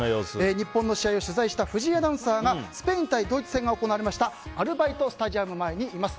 日本の試合を取材した藤井アナウンサーがスペイン対ドイツ戦が行われましたアルバイト・スタジアム前にいます。